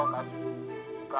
mampus nih gua